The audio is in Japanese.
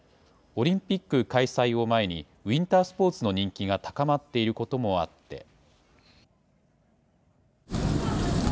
オリンピック開催を前に、ウインタースポーツの人気が高まっていることもあって。